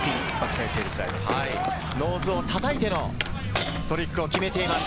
ノーズを叩いてのトリックを決めています。